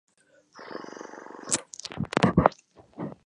交通網